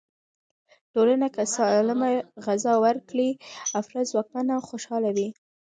ټولنه که سالمه غذا ورکړي، افراد ځواکمن او خوشحاله وي.